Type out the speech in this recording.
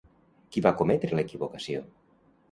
Qui va cometre l'equivocació?